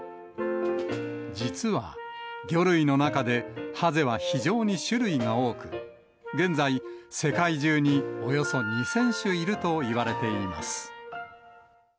実は、魚類の中でハゼは非常に種類が多く、現在、世界中におよそ２０００種いると言われています。